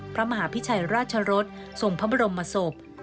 พระมหาพิชัยราชรสทรงพระบรมศพ